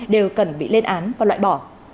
đều cần bị lên án và loại bỏ